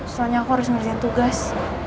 soalnya aku harus ngerjain tugas